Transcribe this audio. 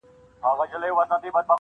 سکون مي ستا په غېږه کي شفا دي اننګو کي,